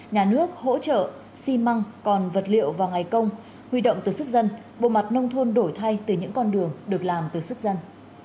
nhà nước hỗ trợ xi măng còn vật liệu và ngày công huy động từ sức dân bộ mặt nông thôn đổi thay từ những con đường được làm từ sức dân